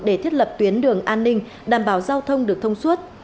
để thiết lập tuyến đường an ninh đảm bảo giao thông được thông suốt